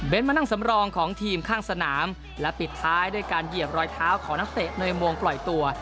มานั่งสำรองของทีมข้างสนามและปิดท้ายด้วยการเหยียบรอยเท้าของนักเตะในวงปล่อยตัว